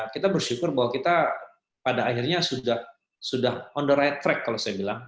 kita bersyukur bahwa kita pada akhirnya sudah on the right track kalau saya bilang